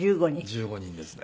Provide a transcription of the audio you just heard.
１５人ですね。